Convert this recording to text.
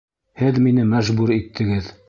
Һеҙ мине мәжбүр иттегеҙ!